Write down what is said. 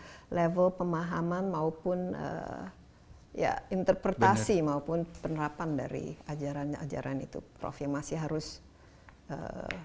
dari level pemahaman maupun ya interpretasi maupun penerapan dari ajaran ajaran itu prof yang masih harus